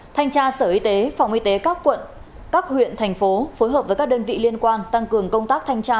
thanh tra sở y tế phòng y tế các quận các huyện thành phố phối hợp với các đơn vị liên quan tăng cường công tác thanh tra